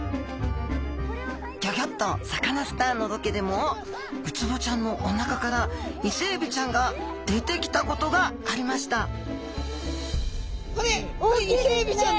「ギョギョッとサカナ★スター」のロケでもウツボちゃんのおなかからイセエビちゃんが出てきたことがありましたえ！